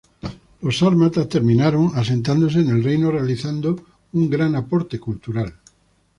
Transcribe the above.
Los sármatas terminaron asentándose en el reino, realizando un gran aporte cultural.